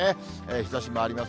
日ざしもあります。